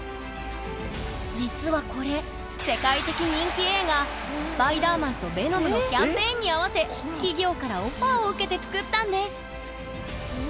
実はこれ世界的人気映画「スパイダーマン」と「ヴェノム」のキャンペーンに合わせ企業からオファーを受けて作ったんです。